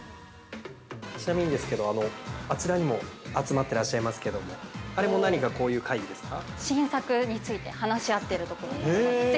◆ちなみにですけども、あちらにも集まっていらっしゃいますけども、あれも何かこういう会議ですか。